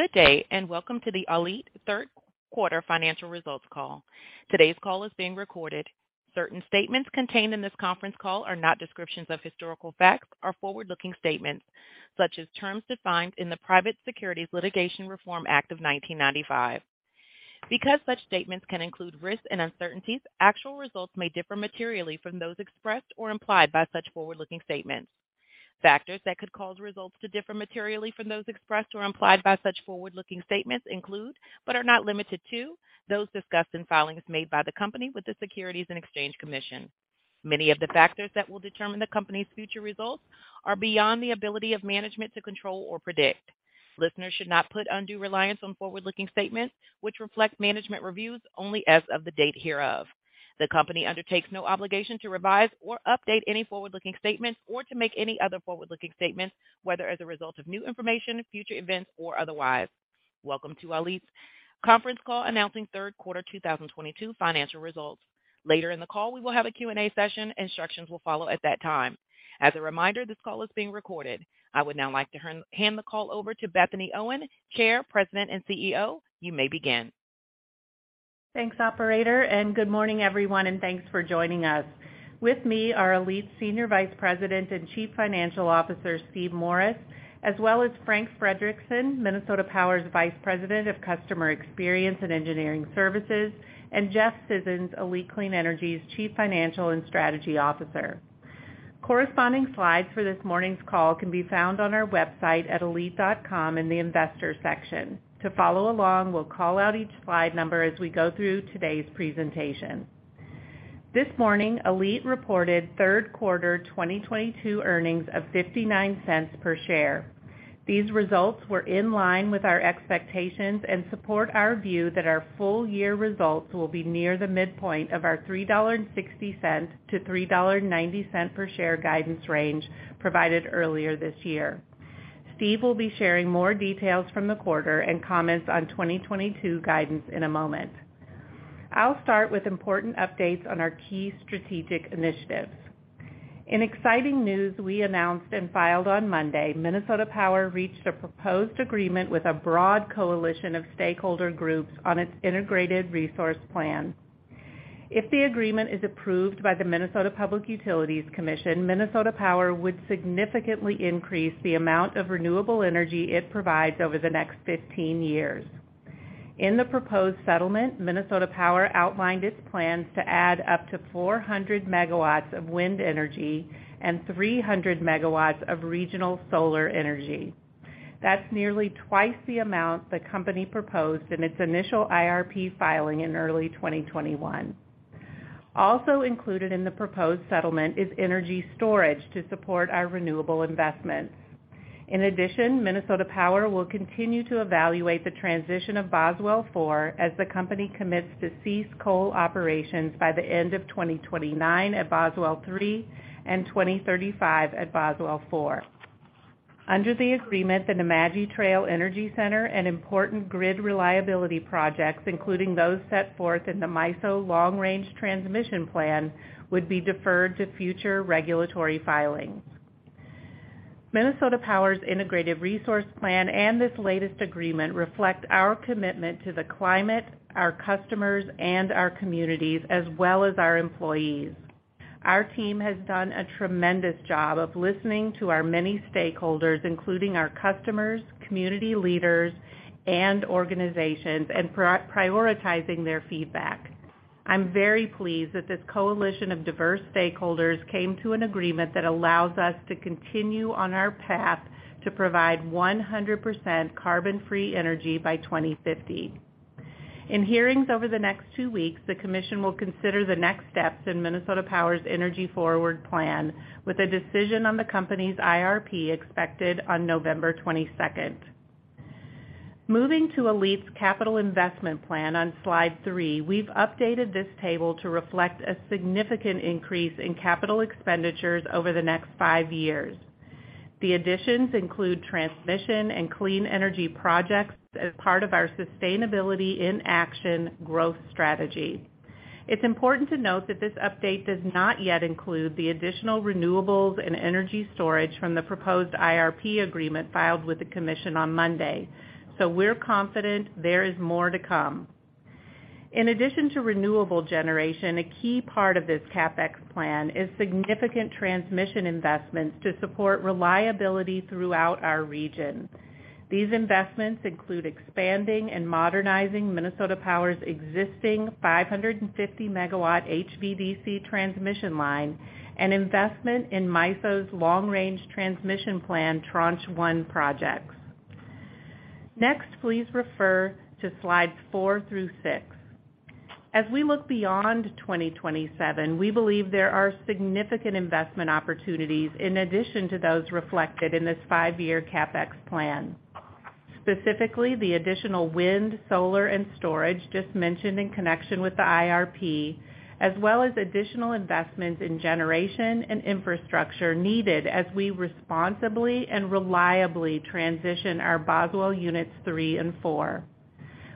Good day, and welcome to the ALLETE third quarter financial results call. Today's call is being recorded. Certain statements contained in this conference call that are not statements of historical facts are forward-looking statements as such terms are defined in the Private Securities Litigation Reform Act of 1995. Because such statements can include risks and uncertainties, actual results may differ materially from those expressed or implied by such forward-looking statements. Factors that could cause results to differ materially from those expressed or implied by such forward-looking statements include, but are not limited to, those discussed in filings made by the Company with the Securities and Exchange Commission. Many of the factors that will determine the Company's future results are beyond the ability of management to control or predict. Listeners should not put undue reliance on forward-looking statements, which reflect management's views only as of the date hereof. The Company undertakes no obligation to revise or update any forward-looking statements or to make any other forward-looking statements, whether as a result of new information, future events, or otherwise. Welcome to ALLETE's conference call announcing third quarter 2022 financial results. Later in the call, we will have a Q&A session. Instructions will follow at that time. As a reminder, this call is being recorded. I would now like to hand the call over to Bethany Owen, Chair, President, and CEO. You may begin. Thanks, operator, and good morning, everyone, and thanks for joining us. With me are ALLETE Senior Vice President and Chief Financial Officer, Steve Morris, as well as Frank Frederickson, Minnesota Power's Vice President of Customer Experience and Engineering Services, and Jeff Scissons, ALLETE Clean Energy's Chief Financial and Strategy Officer. Corresponding slides for this morning's call can be found on our website at allete.com in the Investors section. To follow along, we'll call out each slide number as we go through today's presentation. This morning, ALLETE reported third quarter 2022 earnings of $0.59 per share. These results were in line with our expectations and support our view that our full year results will be near the midpoint of our $3.60-$3.90 per share guidance range provided earlier this year. Steve will be sharing more details from the quarter and comments on 2022 guidance in a moment. I'll start with important updates on our key strategic initiatives. In exciting news, we announced and filed on Monday. Minnesota Power reached a proposed agreement with a broad coalition of stakeholder groups on its integrated resource plan. If the agreement is approved by the Minnesota Public Utilities Commission, Minnesota Power would significantly increase the amount of renewable energy it provides over the next 15 years. In the proposed settlement, Minnesota Power outlined its plans to add up to 400 MW of wind energy and 300 MW of regional solar energy. That's nearly twice the amount the company proposed in its initial IRP filing in early 2021. Also included in the proposed settlement is energy storage to support our renewable investments. In addition, Minnesota Power will continue to evaluate the transition of Boswell Unit 4 as the company commits to cease coal operations by the end of 2029 at Boswell Unit 3 and 2035 at Boswell Unit 4. Under the agreement, the Nemadji Trail Energy Center and important grid reliability projects, including those set forth in the MISO Long Range Transmission Plan, would be deferred to future regulatory filings. Minnesota Power's Integrated Resource Plan and this latest agreement reflect our commitment to the climate, our customers, and our communities, as well as our employees. Our team has done a tremendous job of listening to our many stakeholders, including our customers, community leaders and organizations, and prioritizing their feedback. I'm very pleased that this coalition of diverse stakeholders came to an agreement that allows us to continue on our path to provide 100% carbon-free energy by 2050. In hearings over the next two weeks, the commission will consider the next steps in Minnesota Power's EnergyForward plan with a decision on the company's IRP expected on November 22nd. Moving to ALLETE's capital investment plan on slide three, we've updated this table to reflect a significant increase in capital expenditures over the next five years. The additions include transmission and clean energy projects as part of our Sustainability in Action growth strategy. It's important to note that this update does not yet include the additional renewables and energy storage from the proposed IRP agreement filed with the commission on Monday, so we're confident there is more to come. In addition to renewable generation, a key part of this CapEx plan is significant transmission investments to support reliability throughout our region. These investments include expanding and modernizing Minnesota Power's existing 550-megawatt HVDC transmission line and investment in MISO Long Range Transmission Plan Tranche 1 projects. Next, please refer to slides four through six. As we look beyond 2027, we believe there are significant investment opportunities in addition to those reflected in this five-year CapEx plan, specifically the additional wind, solar, and storage just mentioned in connection with the IRP, as well as additional investments in generation and infrastructure needed as we responsibly and reliably transition our Boswell Units 3 and 4.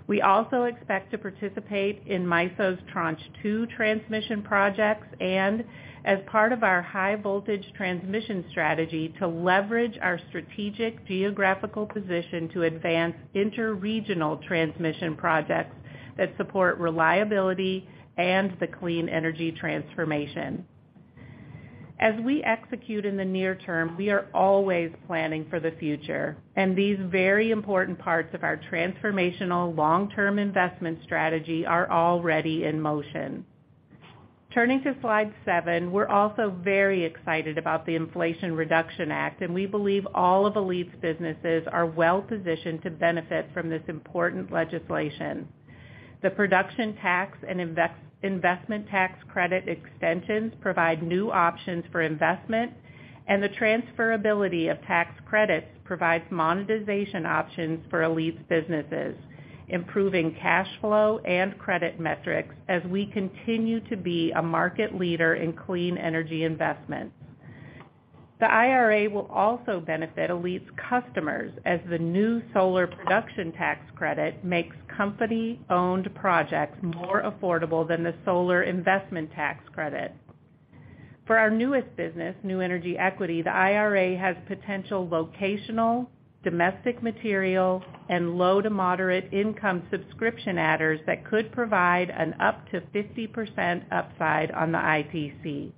We also expect to participate in MISO's Tranche 2 transmission projects and as part of our high voltage transmission strategy to leverage our strategic geographical position to advance interregional transmission projects that support reliability and the clean energy transformation. As we execute in the near term, we are always planning for the future, and these very important parts of our transformational long-term investment strategy are already in motion. Turning to slide seven. We're also very excited about the Inflation Reduction Act, and we believe all of ALLETE's businesses are well-positioned to benefit from this important legislation. The production tax credit and investment tax credit extensions provide new options for investment, and the transferability of tax credits provides monetization options for ALLETE's businesses, improving cash flow and credit metrics as we continue to be a market leader in clean energy investments. The IRA will also benefit ALLETE's customers as the new solar production tax credit makes company-owned projects more affordable than the solar investment tax credit. For our newest business, New Energy Equity, the IRA has potential locational, domestic material, and low to moderate income subscription adders that could provide an up to 50% upside on the ITC.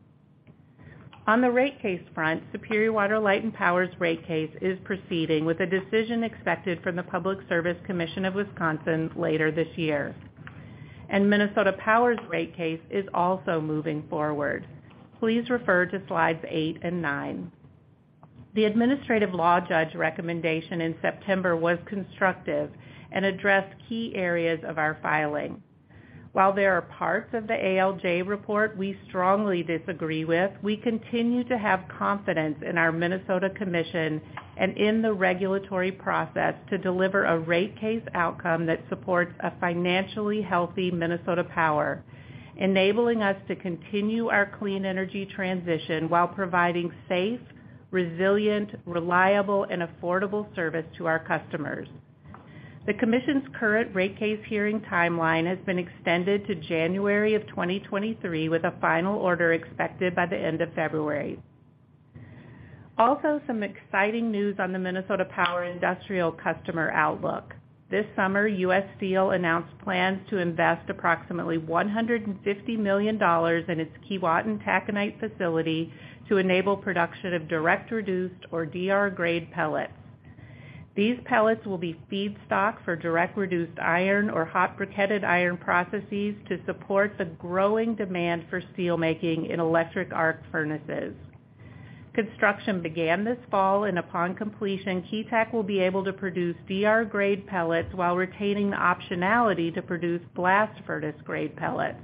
On the rate case front, Superior Water, Light and Power's rate case is proceeding with a decision expected from the Public Service Commission of Wisconsin later this year. Minnesota Power's rate case is also moving forward. Please refer to slides eight and nine. The administrative law judge recommendation in September was constructive and addressed key areas of our filing. While there are parts of the ALJ report we strongly disagree with, we continue to have confidence in our Minnesota Commission and in the regulatory process to deliver a rate case outcome that supports a financially healthy Minnesota Power, enabling us to continue our clean energy transition while providing safe, resilient, reliable, and affordable service to our customers. The Commission's current rate case hearing timeline has been extended to January 2023, with a final order expected by the end of February. Also, some exciting news on the Minnesota Power industrial customer outlook. This summer, U.S. Steel announced plans to invest approximately $150 million in its Keewatin Taconite facility to enable production of direct reduced or DR-grade pellets. These pellets will be feedstock for direct reduced iron or hot briquetted iron processes to support the growing demand for steel making in electric arc furnaces. Construction began this fall, and upon completion, Keetac will be able to produce DR-grade pellets while retaining the optionality to produce blast furnace-grade pellets.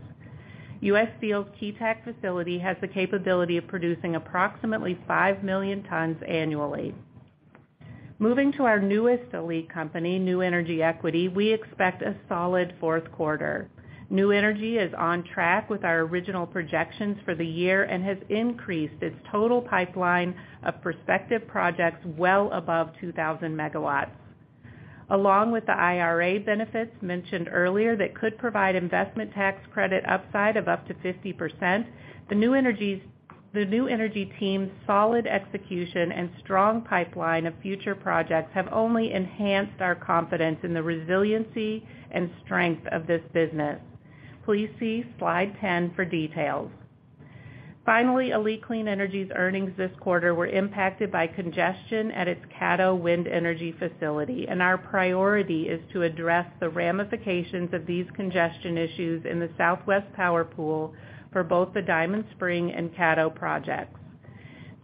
U.S. Steel's Keetac facility has the capability of producing approximately 5 million tons annually. Moving to our newest ALLETE company, New Energy Equity, we expect a solid fourth quarter. New Energy Equity is on track with our original projections for the year and has increased its total pipeline of prospective projects well above 2,000 MW. Along with the IRA benefits mentioned earlier that could provide investment tax credit upside of up to 50%, the New Energy Equity team's solid execution and strong pipeline of future projects have only enhanced our confidence in the resiliency and strength of this business. Please see slide 10 for details. Finally, ALLETE Clean Energy's earnings this quarter were impacted by congestion at its Caddo Wind facility, and our priority is to address the ramifications of these congestion issues in the Southwest Power Pool for both the Diamond Spring and Caddo projects.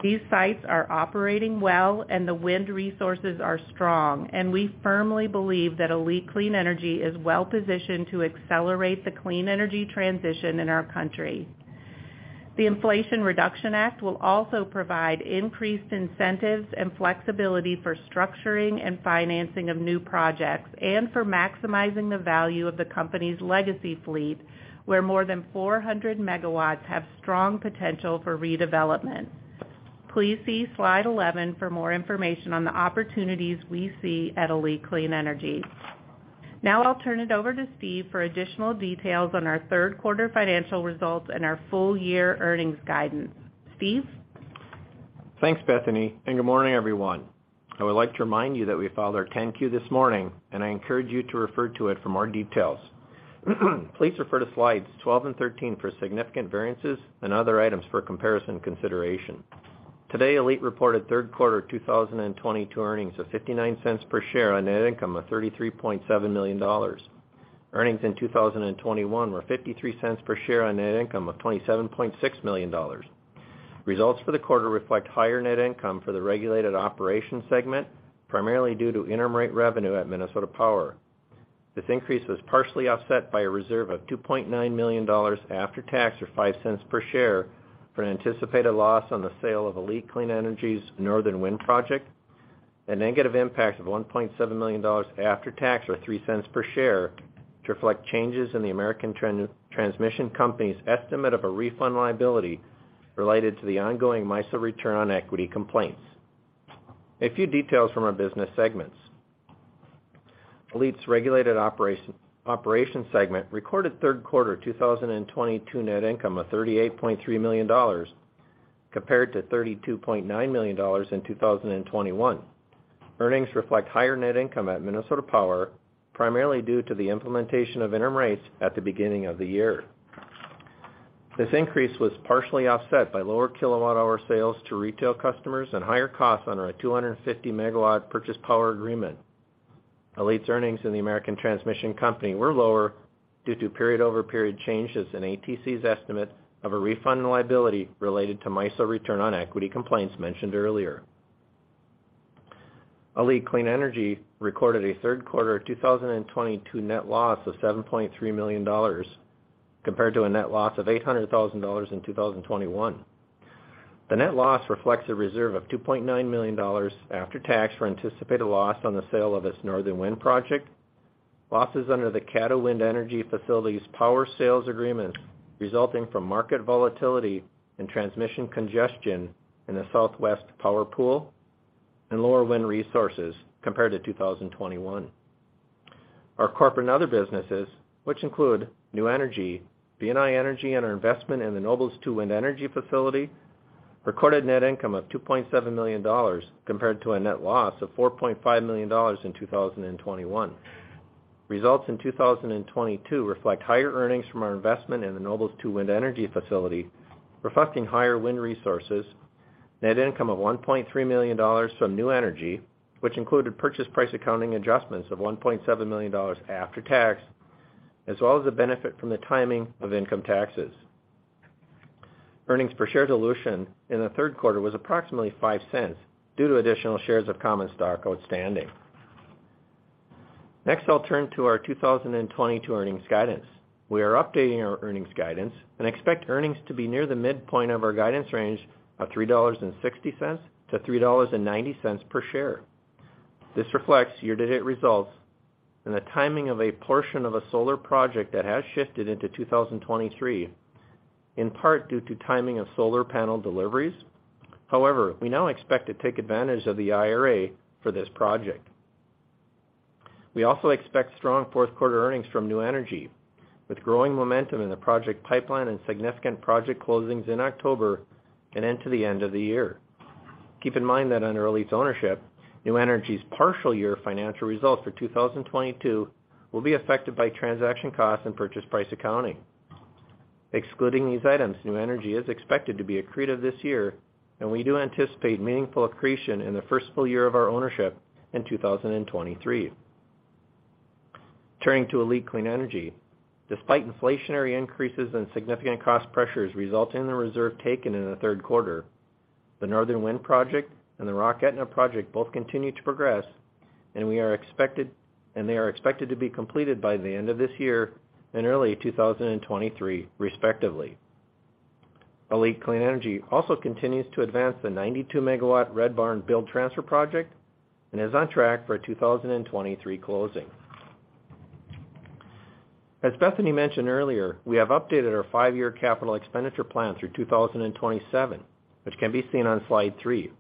These sites are operating well and the wind resources are strong, and we firmly believe that ALLETE Clean Energy is well-positioned to accelerate the clean energy transition in our country. The Inflation Reduction Act will also provide increased incentives and flexibility for structuring and financing of new projects and for maximizing the value of the company's legacy fleet, where more than 400 MW have strong potential for redevelopment. Please see slide 11 for more information on the opportunities we see at ALLETE Clean Energy. Now I'll turn it over to Steve for additional details on our third quarter financial results and our full year earnings guidance. Steve? Thanks, Bethany, and good morning, everyone. I would like to remind you that we filed our 10-Q this morning, and I encourage you to refer to it for more details. Please refer to slides 12 and 13 for significant variances and other items for comparison consideration. Today, ALLETE reported third quarter 2022 earnings of $0.59 per share on net income of $33.7 million. Earnings in 2021 were $0.53 per share on net income of $27.6 million. Results for the quarter reflect higher net income for the regulated operations segment, primarily due to interim rate revenue at Minnesota Power. This increase was partially offset by a reserve of $2.9 million after tax, or $0.05 per share for an anticipated loss on the sale of ALLETE Clean Energy's Northern Wind project and negative impact of $1.7 million after tax, or $0.03 per share to reflect changes in the American Transmission Company's estimate of a refund liability related to the ongoing MISO return on equity complaints. A few details from our business segments. ALLETE's Regulated Operations segment recorded third quarter 2022 net income of $38.3 million compared to $32.9 million in 2021. Earnings reflect higher net income at Minnesota Power, primarily due to the implementation of interim rates at the beginning of the year. This increase was partially offset by lower kWh sales to retail customers and higher costs on our 250-MW power purchase agreement. ALLETE's earnings in the American Transmission Company were lower due to period-over-period changes in ATC's estimate of a refund liability related to MISO return on equity complaints mentioned earlier. ALLETE Clean Energy recorded a third quarter 2022 net loss of $7.3 million compared to a net loss of $800,000 in 2021. The net loss reflects a reserve of $2.9 million after tax for anticipated loss on the sale of its Northern Wind project. Losses under the Caddo Wind power sales agreement resulting from market volatility and transmission congestion in the Southwest Power Pool, and lower wind resources compared to 2021. Our corporate and other businesses, which include New Energy Equity, BNI Energy, and our investment in the Nobles 2 Wind Energy facility, recorded net income of $2.7 million compared to a net loss of $4.5 million in 2021. Results in 2022 reflect higher earnings from our investment in the Nobles 2 Wind Energy facility, reflecting higher wind resources, net income of $1.3 million from New Energy Equity, which included purchase price accounting adjustments of $1.7 million after tax, as well as the benefit from the timing of income taxes. Earnings per share dilution in the third quarter was approximately $0.05 due to additional shares of common stock outstanding. Next, I'll turn to our 2022 earnings guidance. We are updating our earnings guidance and expect earnings to be near the midpoint of our guidance range of $3.60-$3.90 per share. This reflects year-to-date results and the timing of a portion of a solar project that has shifted into 2023, in part due to timing of solar panel deliveries. However, we now expect to take advantage of the IRA for this project. We also expect strong fourth quarter earnings from New Energy Equity, with growing momentum in the project pipeline and significant project closings in October and into the end of the year. Keep in mind that under ALLETE's ownership, New Energy Equity's partial year financial results for 2022 will be affected by transaction costs and purchase price accounting. Excluding these items, New Energy Equity is expected to be accretive this year, and we do anticipate meaningful accretion in the first full year of our ownership in 2023. Turning to ALLETE Clean Energy. Despite inflationary increases and significant cost pressures resulting in the reserve taken in the third quarter, the Northern Wind project and the Rock Aetna project both continue to progress, and they are expected to be completed by the end of this year and early 2023, respectively. ALLETE Clean Energy also continues to advance the 92 MW Red Barn build transfer project and is on track for a 2023 closing. As Bethany mentioned earlier, we have updated our five-year capital expenditure plan through 2027, which can be seen on slide three.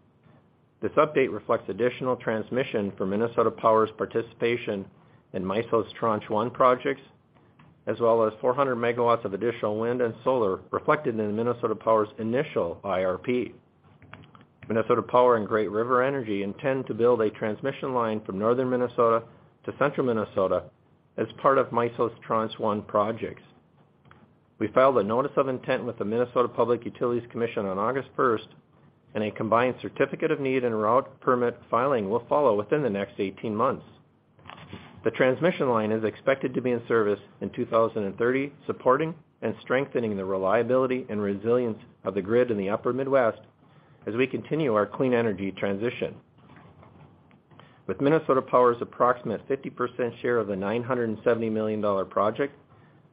This update reflects additional transmission for Minnesota Power's participation in MISO's Tranche 1 projects, as well as 400 MW of additional wind and solar reflected in Minnesota Power's initial IRP. Minnesota Power and Great River Energy intend to build a transmission line from Northern Minnesota to Central Minnesota as part of MISO's Tranche One projects. We filed a notice of intent with the Minnesota Public Utilities Commission on August 1st, and a combined certificate of need and route permit filing will follow within the next 18 months. The transmission line is expected to be in service in 2030, supporting and strengthening the reliability and resilience of the grid in the upper Midwest as we continue our clean energy transition. With Minnesota Power's approximate 50% share of the $970 million project,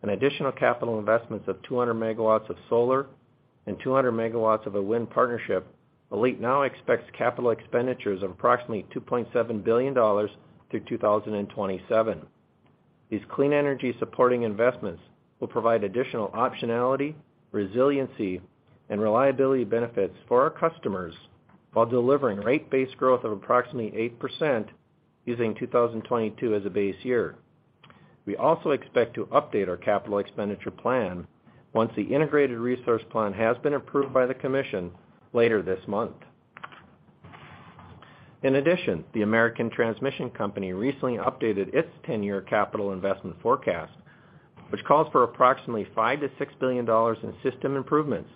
an additional capital investments of 200 MW of solar and 200 MW of a wind partnership, ALLETE now expects capital expenditures of approximately $2.7 billion through 2027. These clean energy supporting investments will provide additional optionality, resiliency, and reliability benefits for our customers while delivering rate base growth of approximately 8% using 2022 as a base year. We also expect to update our capital expenditure plan once the integrated resource plan has been approved by the commission later this month. In addition, the American Transmission Company recently updated its 10-year capital investment forecast, which calls for approximately $5 billion-$6 billion in system improvements,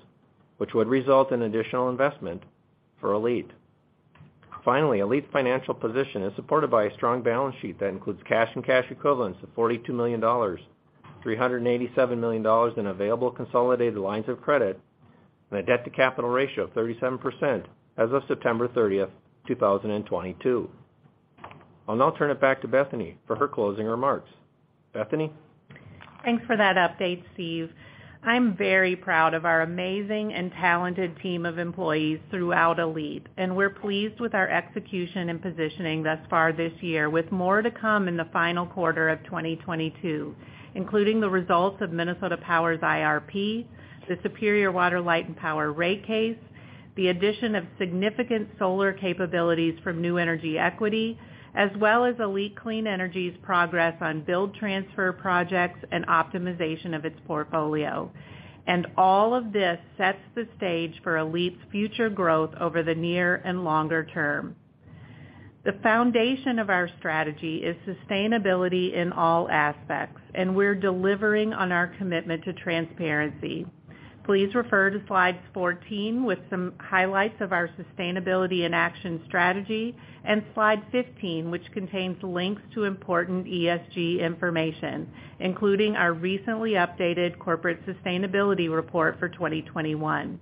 which would result in additional investment for ALLETE. Finally, ALLETE's financial position is supported by a strong balance sheet that includes cash and cash equivalents of $42 million, $387 million in available consolidated lines of credit, and a debt-to-capital ratio of 37% as of September 30th, 2022. I'll now turn it back to Bethany for her closing remarks. Bethany? Thanks for that update, Steve. I'm very proud of our amazing and talented team of employees throughout ALLETE, and we're pleased with our execution and positioning thus far this year, with more to come in the final quarter of 2022, including the results of Minnesota Power's IRP, the Superior Water, Light and Power rate case, the addition of significant solar capabilities from New Energy Equity, as well as ALLETE Clean Energy's progress on build transfer projects and optimization of its portfolio. All of this sets the stage for ALLETE's future growth over the near and longer term. The foundation of our strategy is sustainability in all aspects, and we're delivering on our commitment to transparency. Please refer to slide 14 with some highlights of our Sustainability-in-Action strategy, and slide 15, which contains links to important ESG information, including our recently updated corporate sustainability report for 2021.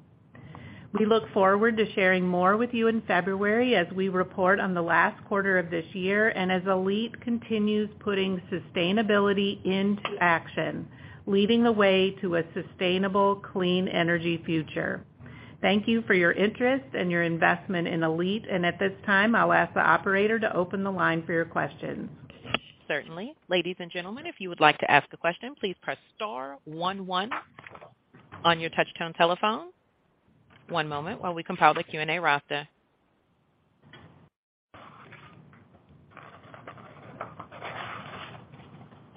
We look forward to sharing more with you in February as we report on the last quarter of this year and as ALLETE continues putting sustainability into action, leading the way to a sustainable clean energy future. Thank you for your interest and your investment in ALLETE. At this time, I'll ask the operator to open the line for your questions. Certainly. Ladies and gentlemen, if you would like to ask a question, please press star one one on your touchtone telephone. One moment while we compile the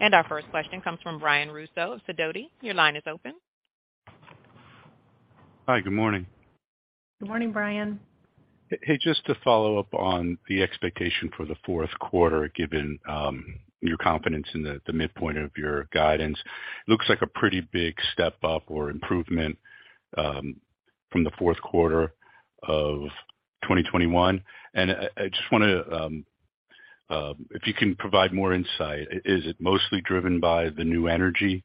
Q&A roster. Our first question comes from Brian Russo of Sidoti & Company. Your line is open. Hi. Good morning. Good morning, Brian. Hey, just to follow up on the expectation for the fourth quarter, given your confidence in the midpoint of your guidance. Looks like a pretty big step up or improvement from the fourth quarter of 2021. I just wanna, if you can provide more insight, is it mostly driven by the New Energy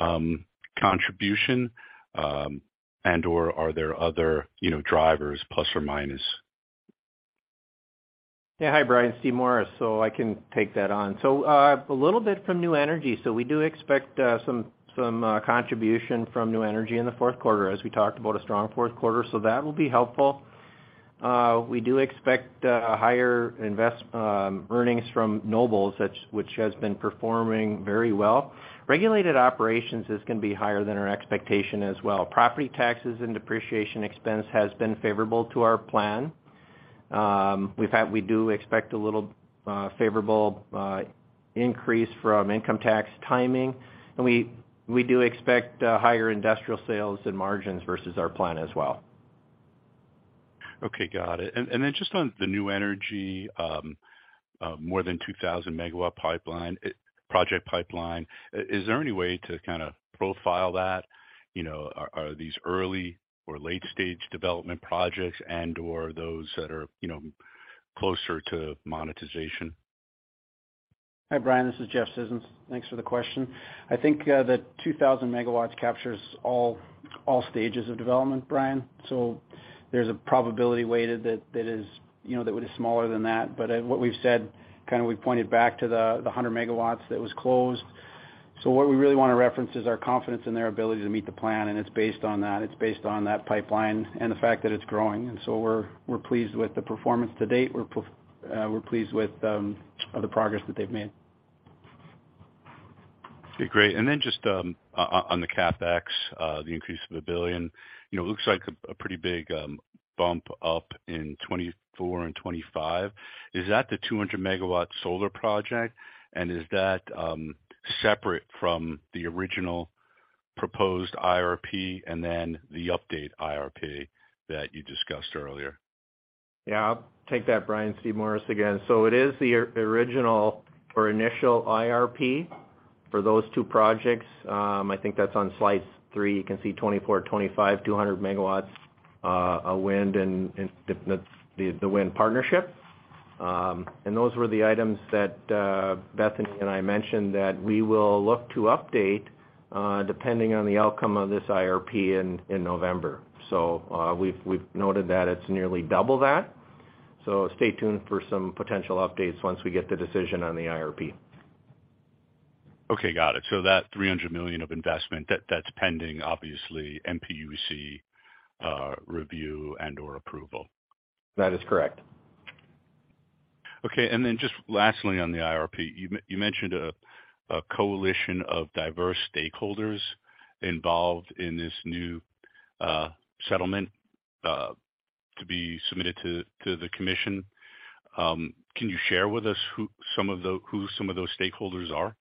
Equity contribution and/or are there other, you know, drivers, plus or minus? Yeah. Hi, Brian, Steve Morris. I can take that on. A little bit from New Energy Equity. We do expect some contribution from New Energy Equity in the fourth quarter as we talked about a strong fourth quarter. That will be helpful. We do expect a higher earnings from Nobles 2, which has been performing very well. Regulated operations is gonna be higher than our expectation as well. Property taxes and depreciation expense has been favorable to our plan. We do expect a little favorable increase from income tax timing. We do expect higher industrial sales and margins versus our plan as well. Okay. Got it. Just on the New Energy Equity, more than 2,000 MW project pipeline, is there any way to kinda profile that? You know, are these early or late-stage development projects and/or those that are, you know, closer to monetization? Hi, Brian. This is Jeff Scissons. Thanks for the question. I think the 2,000 MW captures all stages of development, Brian. There's a probability weighted that is, you know, that is smaller than that. What we've said, kinda we've pointed back to the 100 MW that was closed. What we really wanna reference is our confidence in their ability to meet the plan, and it's based on that. It's based on that pipeline and the fact that it's growing. We're pleased with the performance to date. We're pleased with the progress that they've made. Just on the CapEx, the increase of $1 billion, you know, it looks like a pretty big bump up in 2024 and 2025. Is that the 200 MW solar project? Is that separate from the original proposed IRP and then the update IRP that you discussed earlier? Yeah. I'll take that, Brian. Steve Morris again. It is the original or initial IRP for those two projects. I think that's on slide three. You can see 2024, 2025, 200 MW wind and the wind partnership. Those were the items that Bethany and I mentioned that we will look to update depending on the outcome of this IRP in November. We've noted that it's nearly double that. Stay tuned for some potential updates once we get the decision on the IRP. Okay. Got it. That $300 million of investment, that's pending, obviously, MPUC review and/or approval. That is correct. Okay. Just lastly on the IRP. You mentioned a coalition of diverse stakeholders involved in this new settlement to be submitted to the commission. Can you share with us who some of those stakeholders are?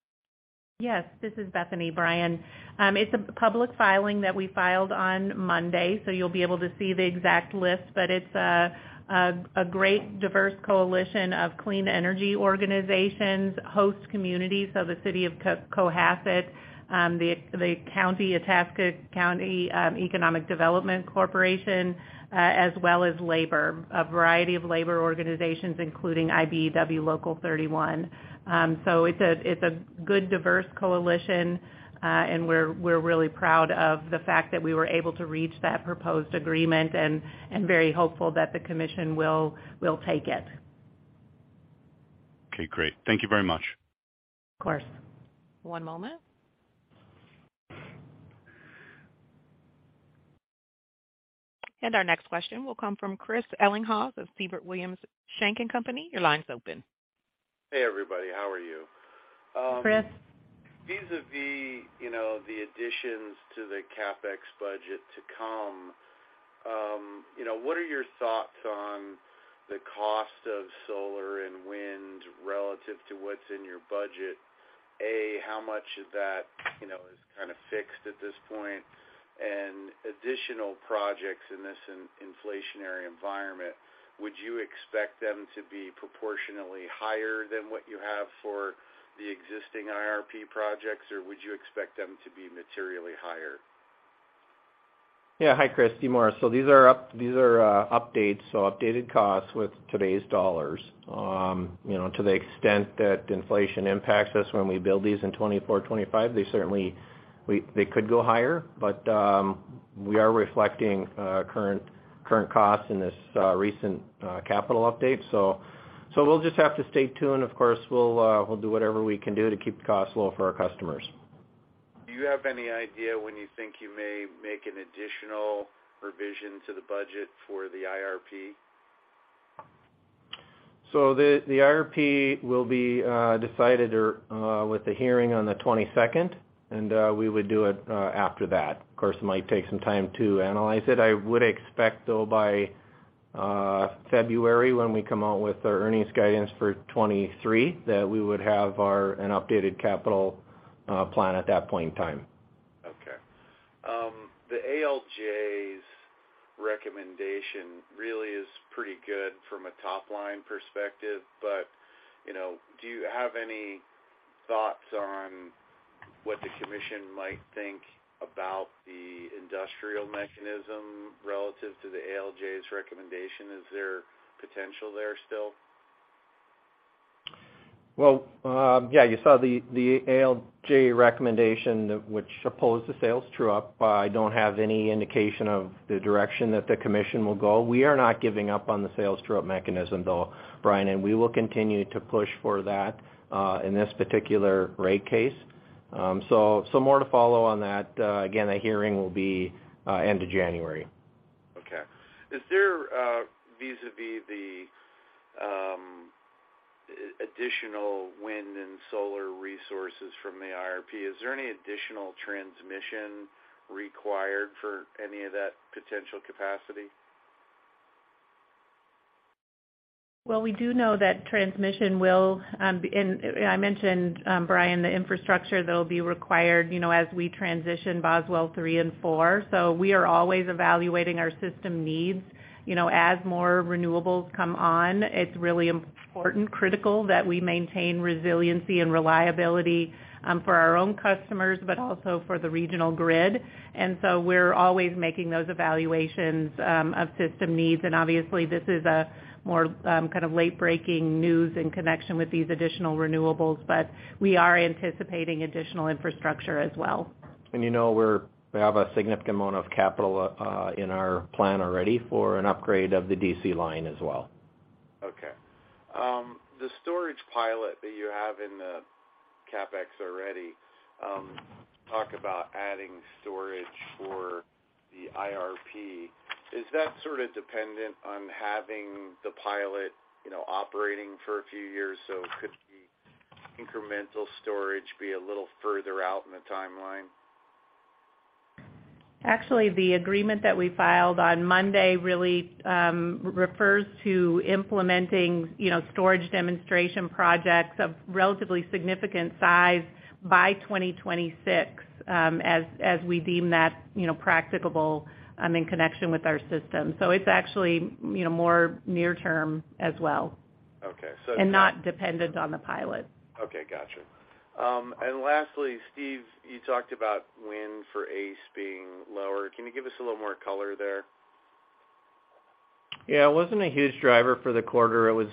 Yes. This is Bethany, Brian. It's a public filing that we filed on Monday, so you'll be able to see the exact list. It's a great diverse coalition of clean energy organizations, host communities, so the city of Cohasset, the county, Itasca County, Economic Development Corporation, as well as labor. A variety of labor organizations, including IBEW Local 31. It's a good diverse coalition, and we're really proud of the fact that we were able to reach that proposed agreement and very hopeful that the commission will take it. Okay. Great. Thank you very much. Of course. One moment. Our next question will come from Chris Ellinghaus of Siebert Williams Shank & Co. Your line's open. Hey, everybody. How are you? Chris. Vis-a-vis, you know, the additions to the CapEx budget to come, you know, what are your thoughts on the cost of solar and wind relative to what's in your budget? A, how much of that, you know, is kind of fixed at this point? Additional projects in this inflationary environment, would you expect them to be proportionately higher than what you have for the existing IRP projects, or would you expect them to be materially higher? Yeah. Hi, Chris, Steve Morris. These are updates, so updated costs with today's dollars. You know, to the extent that inflation impacts us when we build these in 2024, 2025, they could go higher, but we are reflecting current costs in this recent capital update. We'll just have to stay tuned. Of course, we'll do whatever we can do to keep the costs low for our customers. Do you have any idea when you think you may make an additional revision to the budget for the IRP? The IRP will be decided with the hearing on the 22nd. We would do it after that. Of course, it might take some time to analyze it. I would expect, though, by February, when we come out with our earnings guidance for 2023, that we would have an updated capital plan at that point in time. The ALJ's recommendation really is pretty good from a top-line perspective. You know, do you have any thoughts on what the commission might think about the industrial mechanism relative to the ALJ's recommendation? Is there potential there still? Well, yeah, you saw the ALJ recommendation that which opposed the sales true-up. I don't have any indication of the direction that the commission will go. We are not giving up on the sales true-up mechanism, though, Brian, and we will continue to push for that in this particular rate case. More to follow on that. Again, the hearing will be end of January. Is there vis-à-vis the additional wind and solar resources from the IRP, is there any additional transmission required for any of that potential capacity? Well, we do know that transmission will and I mentioned, Brian, the infrastructure that'll be required, you know, as we transition Boswell Units 3 and 4. We are always evaluating our system needs. You know, as more renewables come on, it's really important, critical that we maintain resiliency and reliability for our own customers, but also for the regional grid. We're always making those evaluations of system needs. Obviously, this is a more kind of late-breaking news in connection with these additional renewables, but we are anticipating additional infrastructure as well. You know, we have a significant amount of capital in our plan already for an upgrade of the DC line as well. Okay. The storage pilot that you have in the CapEx already, talk about adding storage for the IRP, is that sort of dependent on having the pilot, you know, operating for a few years? Could the incremental storage be a little further out in the timeline? Actually, the agreement that we filed on Monday really refers to implementing, you know, storage demonstration projects of relatively significant size by 2026, as we deem that, you know, practicable, in connection with our system. It's actually, you know, more near term as well. Okay. Not dependent on the pilot. Okay, gotcha. Lastly, Steve, you talked about wind for ACE being lower. Can you give us a little more color there? Yeah. It wasn't a huge driver for the quarter. It was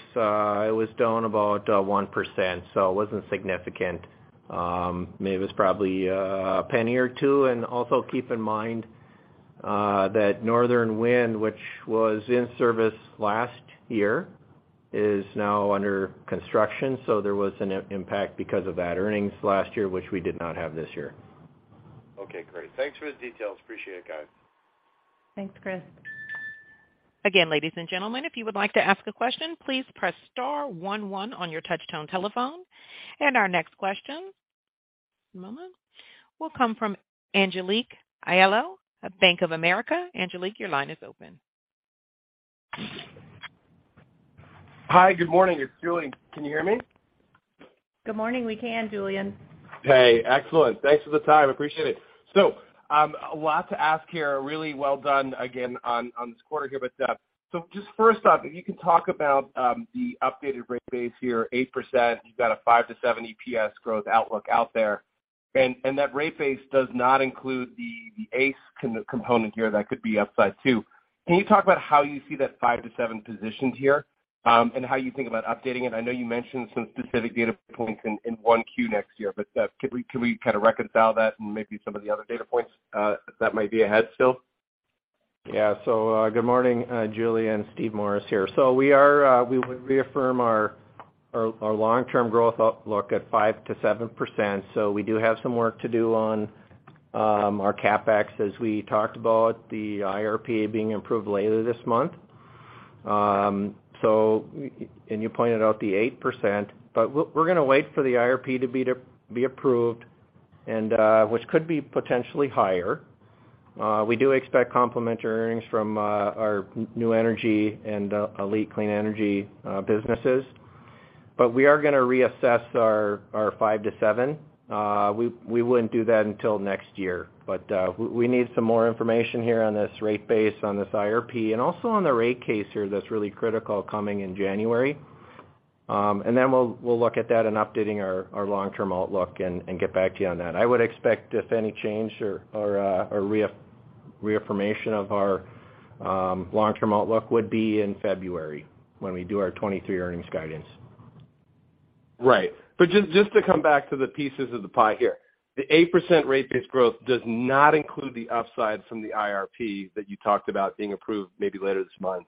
down about 1%, so it wasn't significant. Maybe it was probably a penny or two. Also keep in mind that Northern Wind, which was in service last year, is now under construction, so there was an impact because of that earnings last year, which we did not have this year. Okay, great. Thanks for the details. Appreciate it, guys. Thanks, Chris. Again, ladies and gentlemen, if you would like to ask a question, please press star one one on your touchtone telephone. Our next question, just a moment, will come from Julien Dumoulin-Smith of Bank of America. Julien, your line is open. Hi. Good morning. It's Julien. Can you hear me? Good morning. Welcome, Julien. Hey, excellent. Thanks for the time. Appreciate it. A lot to ask here. Really well done again on this quarter here with that. Just first off, if you can talk about the updated rate base here, 8%. You've got a 5%-7% EPS growth outlook out there. That rate base does not include the ACE component here that could be upside too. Can you talk about how you see that 5%-7% positioned here, and how you think about updating it? I know you mentioned some specific data points in 1Q next year, but can we kind of reconcile that and maybe some of the other data points that might be ahead still? Yeah. Good morning, Julien. Steve Morris here. We would reaffirm our long-term growth outlook at 5%-7%. We do have some work to do on our CapEx, as we talked about the IRP being approved later this month. And you pointed out the 8%, but we're gonna wait for the IRP to be approved and which could be potentially higher. We do expect complementary earnings from our New Energy Equity and ALLETE Clean Energy businesses. We are gonna reassess our 5%-7%. We wouldn't do that until next year. We need some more information here on this rate base, on this IRP, and also on the rate case here that's really critical coming in January. Then we'll look at that in updating our long-term outlook and get back to you on that. I would expect if any change or reaffirmation of our long-term outlook would be in February when we do our 2023 earnings guidance. Right. Just to come back to the pieces of the pie here. The 8% rate base growth does not include the upside from the IRP that you talked about being approved maybe later this month.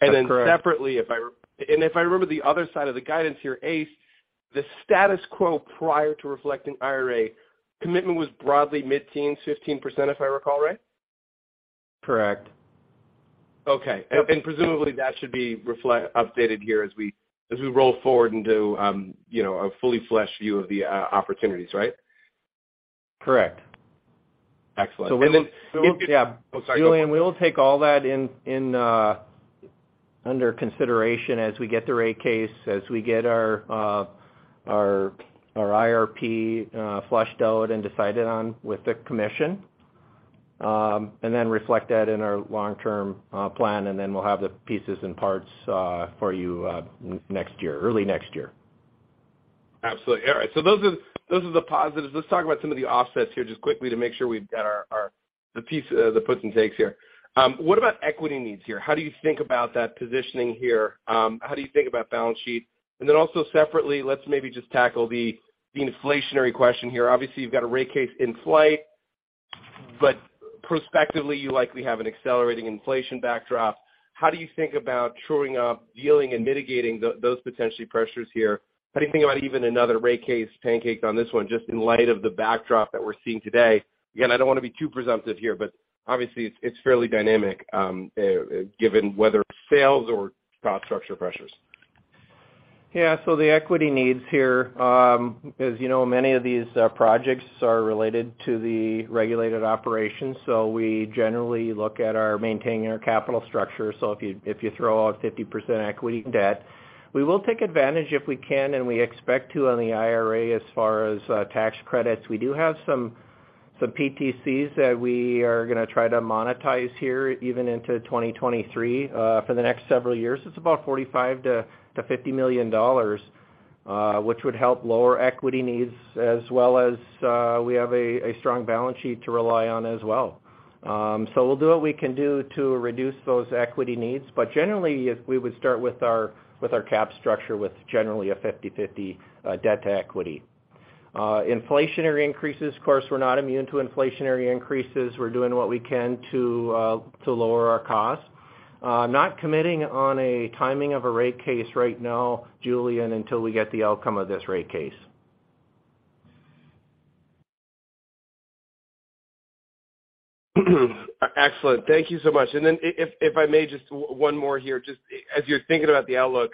That's correct. separately, if I remember the other side of the guidance here, ACE, the status quo prior to reflecting IRA commitment was broadly mid-teens, 15%, if I recall right? Correct. Okay. Yeah. Presumably that should be updated here as we roll forward into, you know, a fully fleshed view of the opportunities, right? Correct. Excellent. So when the- And then- So we- If- Yeah. Oh, sorry, go ahead. Julien, we will take all that in under consideration as we get the rate case, as we get our IRP fleshed out and decided on with the commission, and then reflect that in our long-term plan, and then we'll have the pieces and parts for you next year, early next year. Absolutely. All right. Those are the positives. Let's talk about some of the offsets here just quickly to make sure we've got the puts and takes here. What about equity needs here? How do you think about that positioning here? How do you think about balance sheet? And then also separately, let's maybe just tackle the inflationary question here. Obviously, you've got a rate case in flight, but prospectively, you likely have an accelerating inflation backdrop. How do you think about shoring up, dealing and mitigating those potential pressures here? How do you think about even another rate case pancaked on this one, just in light of the backdrop that we're seeing today? Again, I don't wanna be too presumptive here, but obviously it's fairly dynamic, given whether it's sales or cost structure pressures. Yeah. The equity needs here, as you know, many of these projects are related to the regulated operations. We generally look at our maintaining our capital structure. If you throw out 50% equity and debt. We will take advantage if we can and we expect to on the IRA as far as tax credits. We do have some PTCs that we are gonna try to monetize here even into 2023 for the next several years. It's about $45 million-$50 million, which would help lower equity needs as well as we have a strong balance sheet to rely on as well. We'll do what we can do to reduce those equity needs. Generally, we would start with our cap structure with generally a 50/50 debt to equity. Inflationary increases, of course, we're not immune to inflationary increases. We're doing what we can to lower our costs. Not committing on a timing of a rate case right now, Julien, until we get the outcome of this rate case. Excellent. Thank you so much. If I may just one more here. Just as you're thinking about the outlook,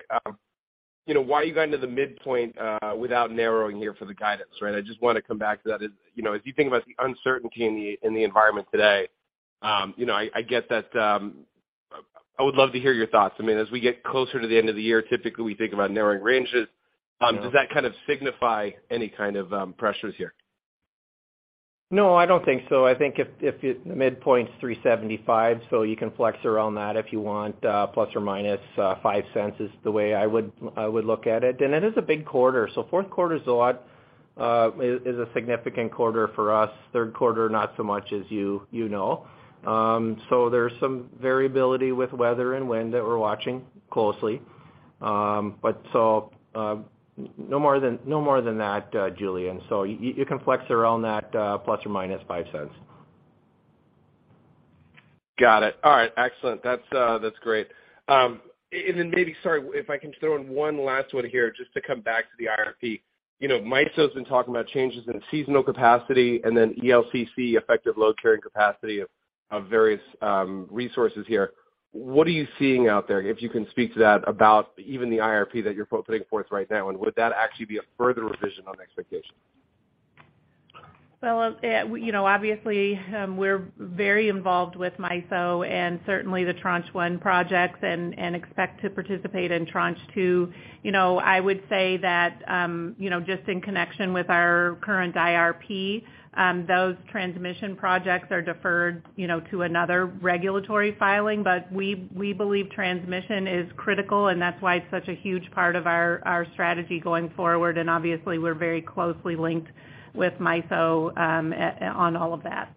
you know, why are you going to the midpoint, without narrowing here for the guidance, right? I just wanna come back to that. As you know, as you think about the uncertainty in the environment today, you know, I get that. I would love to hear your thoughts. I mean, as we get closer to the end of the year, typically we think about narrowing ranges. Does that kind of signify any kind of pressures here? No, I don't think so. I think the midpoint's $3.75, so you can flex around that if you want, ±$0.05 is the way I would look at it. It is a big quarter. Fourth quarter's a lot, is a significant quarter for us. Third quarter, not so much as you know. There's some variability with weather and wind that we're watching closely. No more than that, Julien. You can flex around that, ±$0.05. Got it. All right. Excellent. That's great. And then maybe, sorry, if I can throw in one last one here just to come back to the IRP. You know, MISO's been talking about changes in seasonal capacity and then ELCC, Effective Load Carrying Capacity of various resources here. What are you seeing out there, if you can speak to that, about even the IRP that you're putting forth right now? And would that actually be a further revision on expectations? Well, you know, obviously, we're very involved with MISO and certainly the Tranche 1 projects and expect to participate in Tranche 2. You know, I would say that, you know, just in connection with our current IRP, those transmission projects are deferred to another regulatory filing. But we believe transmission is critical, and that's why it's such a huge part of our strategy going forward. Obviously, we're very closely linked with MISO on all of that.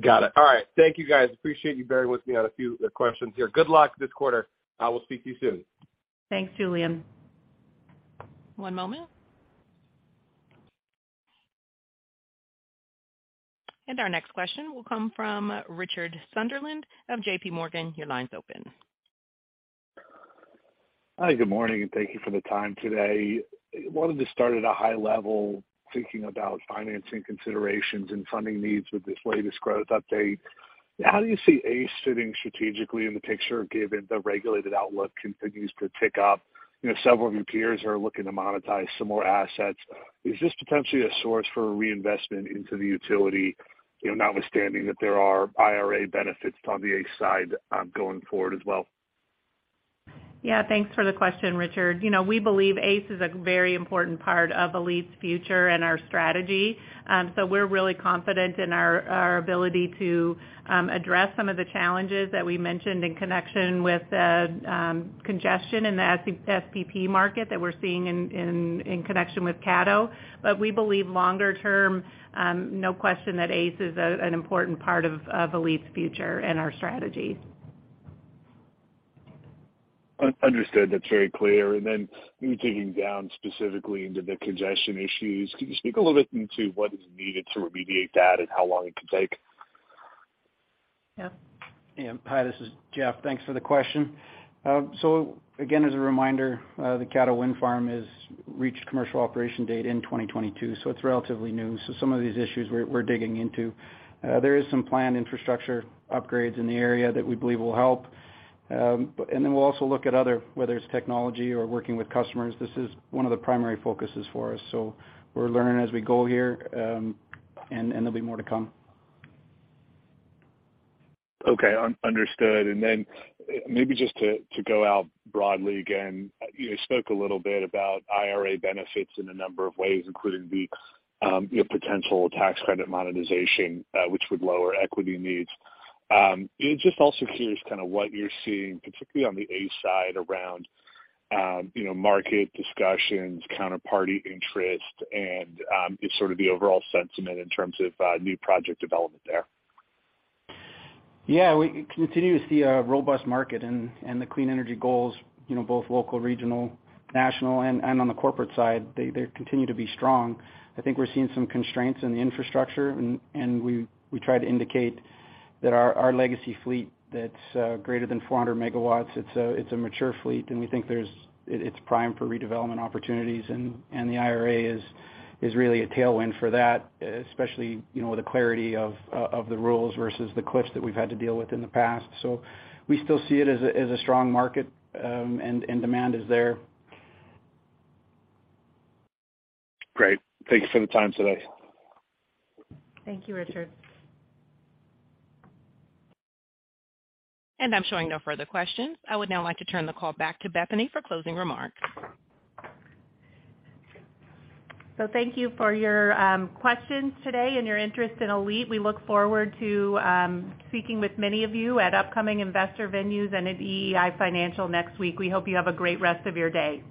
Got it. All right. Thank you, guys. Appreciate you bearing with me on a few questions here. Good luck this quarter. I will speak to you soon. Thanks, Julien. One moment. Our next question will come from Richard Sunderland of JPMorgan. Your line's open. Hi, good morning, and thank you for the time today. Wanted to start at a high level, thinking about financing considerations and funding needs with this latest growth update. How do you see ACE sitting strategically in the picture, given the regulated outlook continues to tick up? You know, several of your peers are looking to monetize some more assets. Is this potentially a source for reinvestment into the utility, you know, notwithstanding that there are IRA benefits on the ACE side, going forward as well? Yeah, thanks for the question, Richard. You know, we believe ACE is a very important part of ALLETE's future and our strategy. We're really confident in our ability to address some of the challenges that we mentioned in connection with the congestion in the SPP market that we're seeing in connection with Caddo. We believe longer term, no question that ACE is an important part of ALLETE's future and our strategy. Understood. That's very clear. Maybe digging down specifically into the congestion issues, can you speak a little bit into what is needed to remediate that and how long it could take? Jeff? Yeah. Hi, this is Jeff. Thanks for the question. Again, as a reminder, the Caddo Wind Farm has reached commercial operation date in 2022, so it's relatively new. Some of these issues we're digging into. There is some planned infrastructure upgrades in the area that we believe will help. We'll also look at other, whether it's technology or working with customers. This is one of the primary focuses for us. We're learning as we go here, and there'll be more to come. Okay. Understood. Maybe just to go out broadly again, you know, spoke a little bit about IRA benefits in a number of ways, including the you know, potential tax credit monetization, which would lower equity needs. Just also curious kinda what you're seeing, particularly on the ACE side around, you know, market discussions, counterparty interest, and just sort of the overall sentiment in terms of new project development there. Yeah. We continue to see a robust market and the clean energy goals, you know, both local, regional, national and on the corporate side, they continue to be strong. I think we're seeing some constraints in the infrastructure and we try to indicate that our legacy fleet that's greater than 400 MW, it's a mature fleet, and we think it's prime for redevelopment opportunities. The IRA is really a tailwind for that, especially, you know, the clarity of the rules versus the cliffs that we've had to deal with in the past. We still see it as a strong market and demand is there. Great. Thank you for the time today. Thank you, Richard. I'm showing no further questions. I would now like to turn the call back to Bethany for closing remarks. Thank you for your questions today and your interest in ALLETE. We look forward to speaking with many of you at upcoming investor venues and at EEI Financial next week. We hope you have a great rest of your day.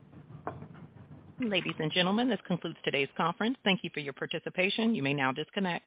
Ladies and gentlemen, this concludes today's conference. Thank you for your participation. You may now disconnect.